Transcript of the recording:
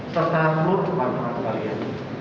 serta seluruh pemanfaat kalian